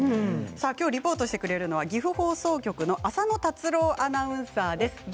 リポートしてくれるのは岐阜放送局の浅野達朗アナウンサーです。